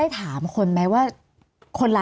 มีความรู้สึกว่ามีความรู้สึกว่า